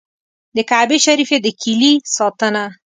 د کعبې شریفې د کیلي ساتنه.